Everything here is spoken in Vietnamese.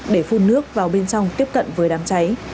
để phun nước vào bên trong tiếp cận với đám cháy